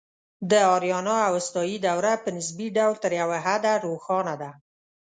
د آریانا اوستایي دوره په نسبي ډول تر یو حده روښانه ده